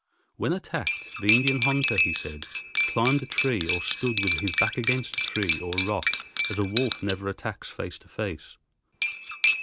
When attacked, the Indian hunter, he said, climbed a tree or stood with his back against a tree or rock as a wolf never attacks face to face.